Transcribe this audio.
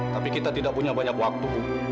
tapi kita tidak punya banyak waktu